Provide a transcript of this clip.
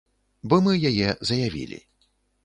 Бо мы яе заявілі.